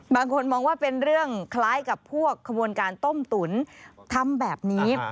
บางคนมองว่าเป็นเรื่องคล้ายกับพวกขบวนการต้มตุ๋นทำแบบนี้